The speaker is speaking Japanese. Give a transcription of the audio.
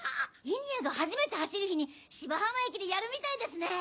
リニアが初めて走る日に芝浜駅でやるみたいですね。